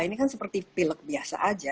ini kan seperti pilek biasa aja